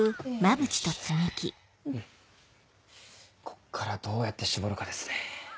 ここからどうやって絞るかですね。